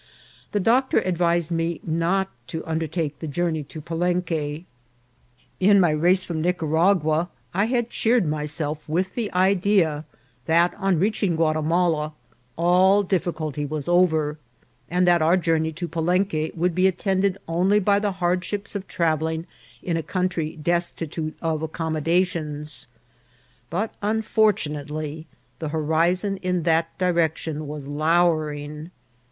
The doctor advised me not to undertake the journey to Palenque. In my race from Nicaragua I had cheered myself with the idea that, on reaching Guatimala, all difficulty was over, and that our journey to Palenque would be attended only by the hardships of travelling in a country desti tute of accommodations ; but, unfortunately, the hori zon in that direction was lowering.